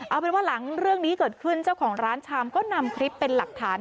เอาเป็นว่าหลังเรื่องนี้เกิดขึ้นเจ้าของร้านชามก็นำคลิปเป็นหลักฐาน